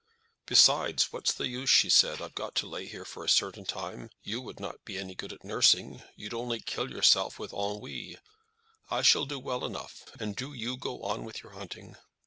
"Besides, what's the use?" she said; "I've got to lay here for a certain time. You would not be any good at nursing. You'd only kill yourself with ennui. I shall do well enough, and do you go on with your hunting."